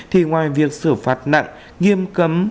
thì ngoài việc sử phạt nặng nghiêm cấm